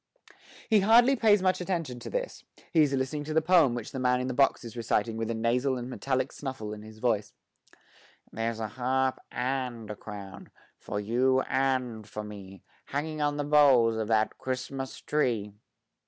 He hardly pays much attention to this; he is listening to the poem which the man in the box is reciting with a nasal and metallic snuffle in his voice: There's a harp and a crown, For you and for me, Hanging on the boughs Of that Christmas tree!